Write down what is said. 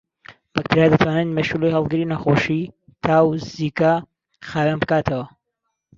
بەکتریا دەتوانێت مێشولەی هەڵگری نەخۆشیی تا و زیکا خاوێن بکاتەوە